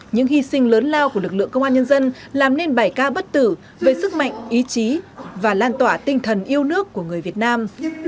những hy sinh lớn lao của lực lượng công an nhân dân làm nên bảy ca bất tử về sức mạnh ý chí và lan tỏa tinh thần yêu nước của người việt nam